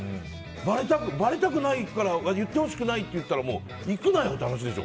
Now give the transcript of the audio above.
ばれたくないから言ってほしくないっていったら行くなよ！って話でしょ？